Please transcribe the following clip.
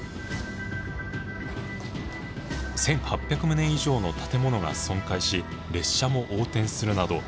１，８００棟以上の建物が損壊し列車も横転するなど